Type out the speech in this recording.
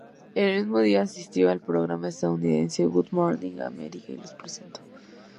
El mismo día, asistió al programa estadounidense "Good Morning America" y lo presentó.